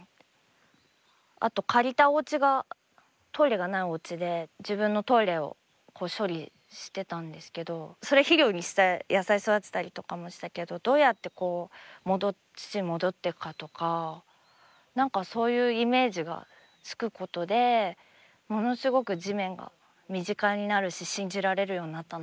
あと借りたおうちがトイレがないおうちで自分のトイレを処理してたんですけどそれ肥料にして野菜育てたりとかもしたけどどうやってこう土に戻っていくかとか何かそういうイメージがつくことでものすごく地面が身近になるし信じられるようになったなあと思って。